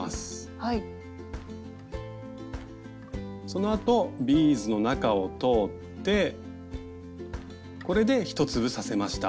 そのあとビーズの中を通ってこれで１粒刺せました。